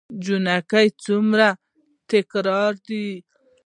جينکۍ څومره تکړه دي